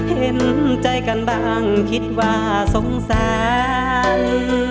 เห็นใจกันบ้างคิดว่าสงสาร